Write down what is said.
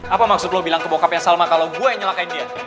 apa maksud lo bilang ke bokapnya salma kalau gue yang nyalakan dia